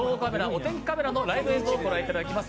お天気カメラのライブ映像をご覧いただきます